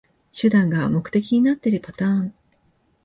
手段が目的になってるパターン